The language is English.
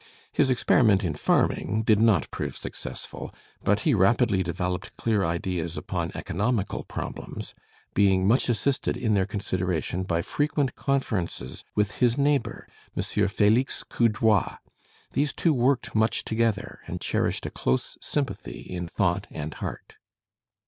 His experiment in farming did not prove successful; but he rapidly developed clear ideas upon economical problems, being much assisted in their consideration by frequent conferences with his neighbor, M. Felix Coudroy. These two worked much together, and cherished a close sympathy in thought and heart.